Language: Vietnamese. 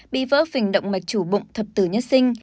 bị vỡ phình động mạch chủ bụng thập tử nhất sinh